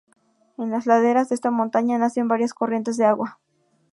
En las laderas de esta montaña nacen varias corrientes de agua.